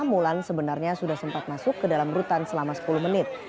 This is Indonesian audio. mulan sebenarnya sudah sempat masuk ke dalam rutan selama sepuluh menit